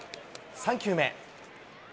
３球目。